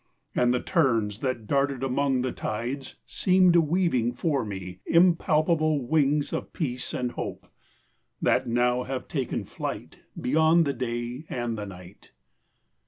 And the terns that darted among The tides seemed weaving for me Impalpable wings of peace and hope That now have taken flight Beyond the day and the night.